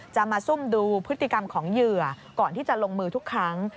จะมาซุ่มดูพฤติกรรมของเหยื่อก่อนที่จะลงมือทุกครั้ง